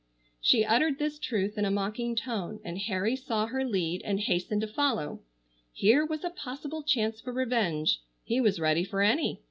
She uttered this truth in a mocking tone, and Harry saw her lead and hastened to follow. Here was a possible chance for revenge. He was ready for any.